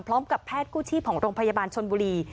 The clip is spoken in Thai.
พร้อมกับแพทย์กู้ชีพของโรงพยาบาลชนบุรี